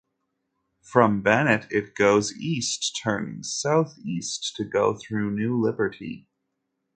From Bennett, it goes east, turning southeast to go through New Liberty.